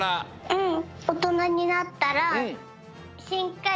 うん！